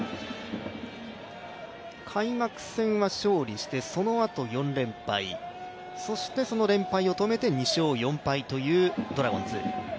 開幕戦は勝利してそのあと４連敗、そしてその連敗を止めて４勝２敗というドラゴンズ。